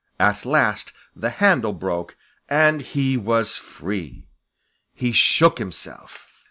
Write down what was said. At last the handle broke, and he was free! He shook himself.